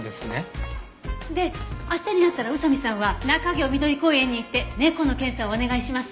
で明日になったら宇佐見さんは中京みどり公園に行って猫の検査をお願いします。